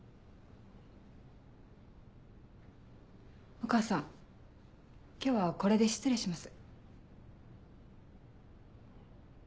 お母さん今日はこれで失礼します。